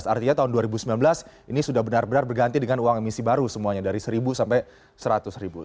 artinya tahun dua ribu sembilan belas ini sudah benar benar berganti dengan uang emisi baru semuanya dari seribu sampai seratus ribu